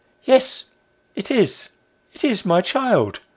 Yes it is, it is my child